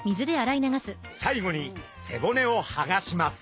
最後に背骨をはがします。